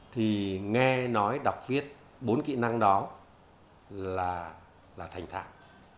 thì nghe nói đọc viết bốn kỹ năng đó là thành thạo